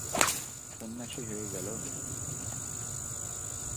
সন্ন্যাসী হয়ে গেলো।